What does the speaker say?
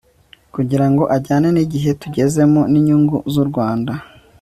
kugirango ajyane n'igihe tugezemo n'inyungu z'u rwanda